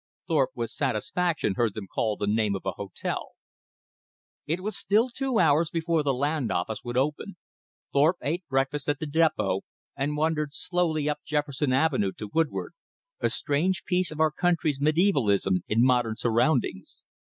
Thorpe with satisfaction heard them call the name of a hotel. It was still two hours before the Land Office would be open. Thorpe ate breakfast at the depot and wandered slowly up Jefferson Avenue to Woodward, a strange piece of our country's medievalism in modern surroundings.